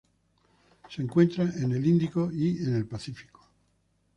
Se encuentran en el Índico y en el Pacífico.